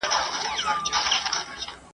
دا په دې چي غنم عقل ته تاوان دئ !.